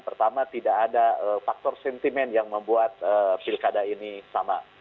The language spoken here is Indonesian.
pertama tidak ada faktor sentimen yang membuat pilkada ini sama